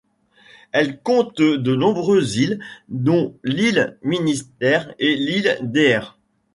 Elle compte de nombreuses îles, dont l'île Ministers et l'île Deer.